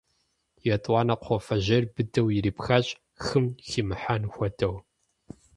ЕтӀуанэ кхъуафэжьейр быдэу ирипхащ, хым химыхьэн хуэдэу.